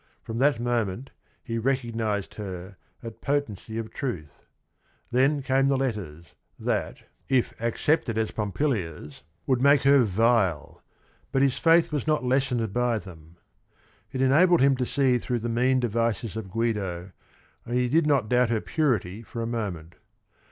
From that moment he "recognized her, at potency of truth." Then came the letters, that, if accepted 100 THE RING AND THE BOOK as Pompilia's, would make her vile, but his faith was"~uul ltAAtiitd by IheuL It enabled him to see through the mean devices of Guido and he did not doubt her purity for a moment.